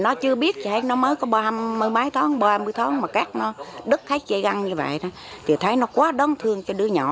nó chưa biết nó mới có ba mươi bốn mươi tháng ba mươi tháng mà cắt nó đứt hết dây găng như vậy thì thấy nó quá đớn thương cho đứa nhỏ